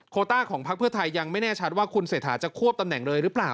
ต้าของพักเพื่อไทยยังไม่แน่ชัดว่าคุณเศรษฐาจะควบตำแหน่งเลยหรือเปล่า